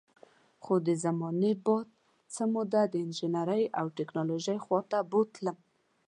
خو د زمانې باد څه موده د انجینرۍ او ټیکنالوژۍ خوا ته بوتلم